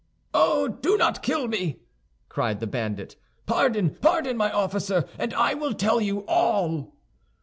"Oh, do not kill me!" cried the bandit. "Pardon, pardon, my officer, and I will tell you all."